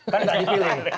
kan tak dipilih